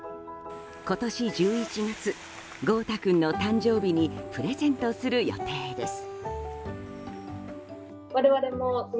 今年１１月、豪太君の誕生日にプレゼントする予定です。